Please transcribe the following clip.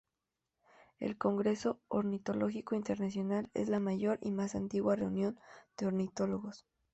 El congreso ornitológico internacional es la mayor y más antigua reunión de ornitólogos.